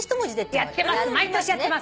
やってます。